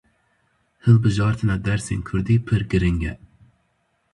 Hilbijartina dersên kurdî pir giring e.